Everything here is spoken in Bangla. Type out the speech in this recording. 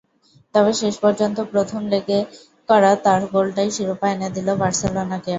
তবে শেষ পর্যন্ত প্রথম লেগে করা তাঁর গোলটাই শিরোপা এনে দিল বার্সেলোনাকে।